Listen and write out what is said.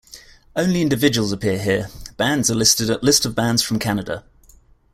Only individuals appear here; bands are listed at List of bands from Canada.